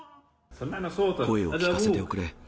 声を聞かせておくれ。